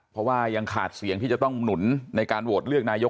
เพราะว่ายังขาดเสียงที่จะต้องหนุนในการโหวตเลือกนายก